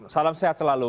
salam sehat selalu